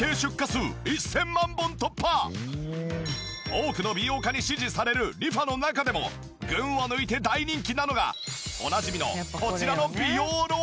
多くの美容家に支持されるリファの中でも群を抜いて大人気なのがおなじみのこちらの美容ローラー。